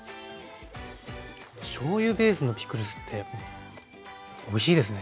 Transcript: しょうゆベースのピクルスっておいしいですね。